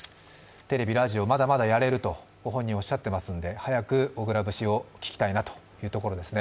テレビ、ラジオ、まだまだやれるとご本人、おっしゃっていますので早く小倉節を聞きたいなというところですね。